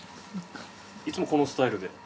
いつもこのスタイルで？